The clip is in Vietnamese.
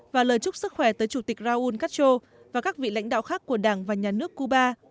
và lời chúc sức khỏe tới chủ tịch raúl castro và các vị lãnh đạo khác của đảng và nhà nước cuba